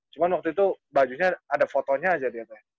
cuma waktu itu ada fotonya aja dia tuh